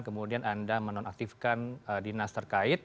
kemudian anda menonaktifkan dinas terkait